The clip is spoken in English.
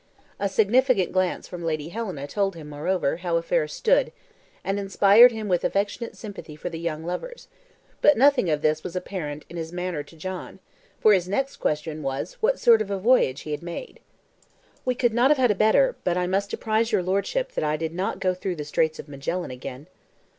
A significant glance from Lady Helena told him, moreover, how affairs stood, and inspired him with affectionate sympathy for the young lovers; but nothing of this was apparent in his manner to John, for his next question was what sort of a voyage he had made. "We could not have had a better; but I must apprise your Lordship that I did not go through the Straits of Magellan again."